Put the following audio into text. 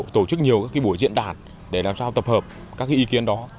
tổ chức nhiều các cái buổi diễn đàn để làm sao tập hợp các cái ý kiến đó